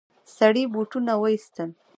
سړي بوټونه وايستل.